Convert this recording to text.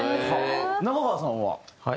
中川さんは？